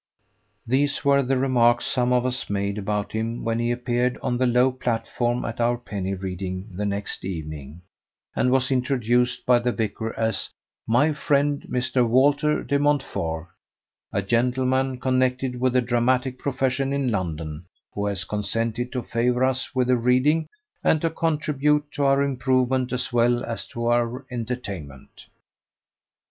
These were the remarks some of us made about him when he appeared on the low platform at our penny reading the next evening, and was introduced by the vicar as "My friend Mr. Walter De Montfort, a gentleman connected with the dramatic profession in London, who has consented to favour us with a reading and to contribute to our improvement as well as to our entertainment."